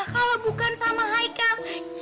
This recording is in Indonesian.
kalo bukan sama haikal